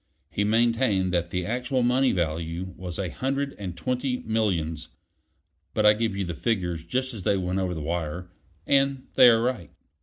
He maintained that the actual money value was a hundred and twenty millions; but I give you the figures just as they went over the wire, and they are right.